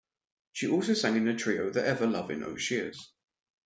She also sang in the trio The Everlovin' O'Sheas.